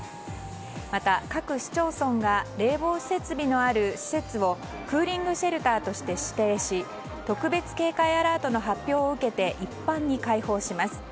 また各市町村が冷房施設のある施設をクーリングシェルターとして指定し特別警戒アラートの発表を受けて一般に開放します。